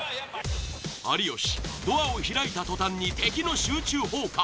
有吉ドアを開いたとたんに敵の集中砲火。